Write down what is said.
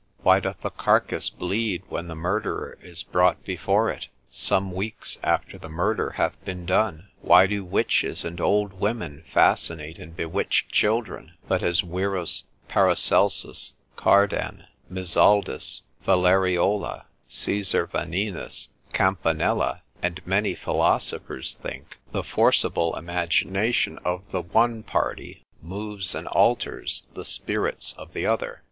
Why doth a carcass bleed when the murderer is brought before it, some weeks after the murder hath been done? Why do witches and old women fascinate and bewitch children: but as Wierus, Paracelsus, Cardan, Mizaldus, Valleriola, Caesar Vanninus, Campanella, and many philosophers think, the forcible imagination of the one party moves and alters the spirits of the other.